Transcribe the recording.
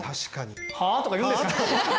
「はあ？」とか言うんですかね。